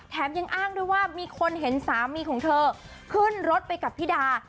ยังอ้างด้วยว่ามีคนเห็นสามีของเธอขึ้นรถไปกับพี่ดา